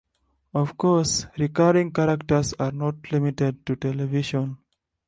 Of course, recurring characters are not limited to television.